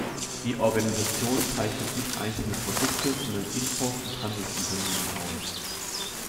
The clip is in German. Die Organisation zeichnet nicht einzelne Produkte, sondern Import- und Handelsunternehmen aus.